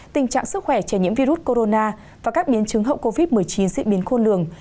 tình trạng sức khỏe trẻ nhiễm virus corona và các biến chứng hậu covid một mươi chín diễn biến khôn lường